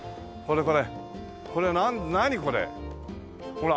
ほら。